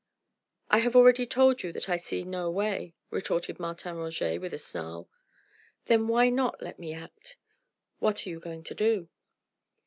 "I have already told you that I see no way," retorted Martin Roget with a snarl. "Then why not let me act?" "What are you going to do?"